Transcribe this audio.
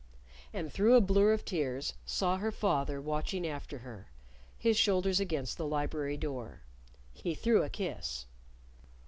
And through a blur of tears saw her father watching after her, his shoulders against the library door. He threw a kiss.